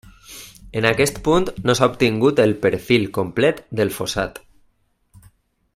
En aquest punt no s'ha obtingut el perfil complet del fossat.